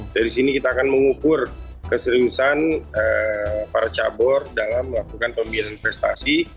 dari sini kita akan mengukur keseriusan para cabur dalam melakukan pembiayaan prestasi